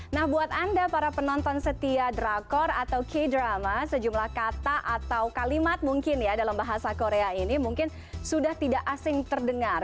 nah buat anda para penonton setia drakor atau k drama sejumlah kata atau kalimat mungkin ya dalam bahasa korea ini mungkin sudah tidak asing terdengar